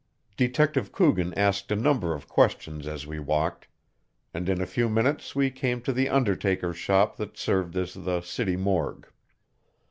Detective Coogan asked a number of questions as we walked, and in a few minutes we came to the undertaker's shop that served as the city morgue.